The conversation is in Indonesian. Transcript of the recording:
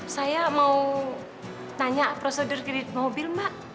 saya mau tanya prosedur kredit mobil mbak